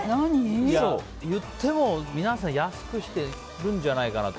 言っても、皆さん安くしてるんじゃないかなと。